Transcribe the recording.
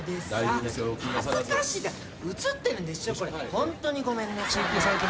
ホントにごめんなさい。